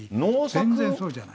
全然そうじゃない。